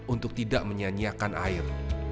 untuk tidak menyanyiakan air